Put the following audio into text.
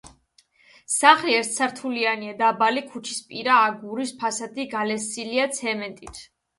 სახლი ერთსართულიანია, დაბალი, ქუჩისპირა, აგურის ფასადი გალესილია ცემენტით.